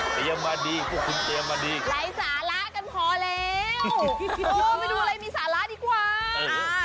ไปดูอะไรมีสาระดีกว่า